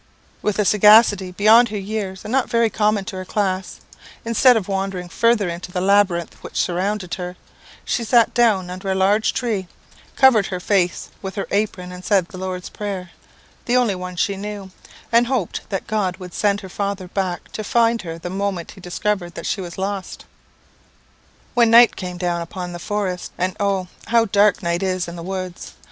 "With a sagacity beyond her years, and not very common to her class, instead of wandering further into the labyrinth which surrounded her, she sat down under a large tree, covered her face with her apron, said the Lord's prayer the only one she knew, and hoped that God would send her father back to find her the moment he discovered that she was lost. "When night came down upon the forest, (and oh! how dark night is in the woods!)